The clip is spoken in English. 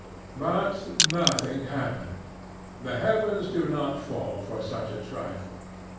But nothing happened. The heavens do not fall for such a trifle.